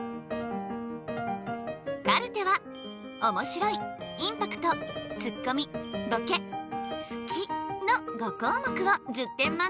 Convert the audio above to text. カルテはおもしろいインパクトツッコミボケ好きの５項目を１０点満点で評価。